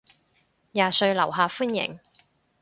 廿歲樓下歡迎